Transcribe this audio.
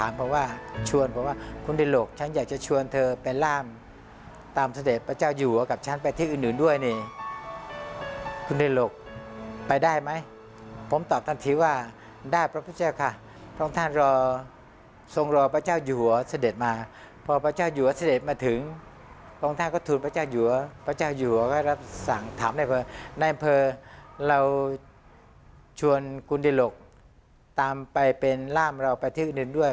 ในอำเภอเราชวนคุณเดรกตามไปเป็นล่ามเราไปที่อื่นด้วย